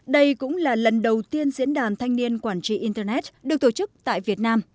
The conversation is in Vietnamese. đây cũng là lần đầu tiên diễn đàn thanh niên quản trị internet được tổ chức tại việt nam